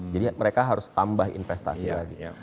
jadi mereka harus tambah investasi lagi